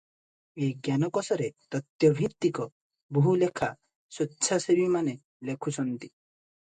ଏ ଜ୍ଞାନକୋଷରେ ତଥ୍ୟଭିତ୍ତିକ ବହୁ ଲେଖା ସ୍ୱେଚ୍ଛାସେବୀମାନେ ଲେଖୁଛନ୍ତି ।